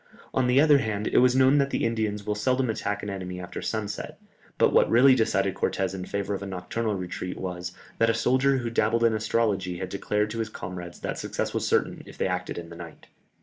On the other hand, it was known that the Indians will seldom attack an enemy after sunset, but what really decided Cortès in favour of a nocturnal retreat was, that a soldier who dabbled in astrology had declared to his comrades that success was certain if they acted in the night.